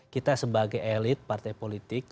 kita sebagai elit partai politik